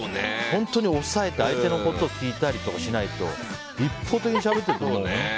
本当に抑えて相手のことを聞いたりしないと一方的にしゃべっちゃうと思う。